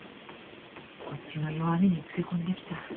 こっちの弱みに付け込んできた。